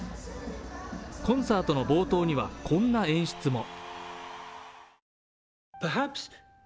コンサートの冒頭にはこんな演出も。